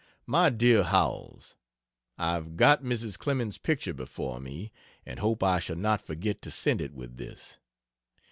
MY DEAR HOWELLS, I've got Mrs. Clemens's picture before me, and hope I shall not forget to send it with this.